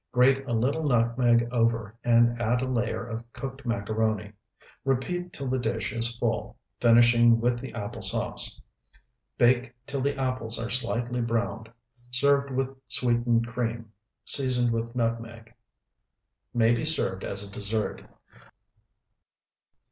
Grate a little nutmeg over and add a layer of cooked macaroni. Repeat till the dish is full, finishing with the apple sauce. Bake till the apples are slightly browned. Serve with sweetened cream, seasoned with nutmeg. May be served as a dessert.